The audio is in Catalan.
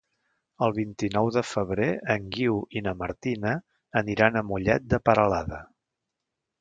El vint-i-nou de febrer en Guiu i na Martina aniran a Mollet de Peralada.